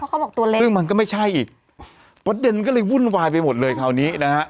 เขาบอกตัวเล็กซึ่งมันก็ไม่ใช่อีกประเด็นมันก็เลยวุ่นวายไปหมดเลยคราวนี้นะฮะ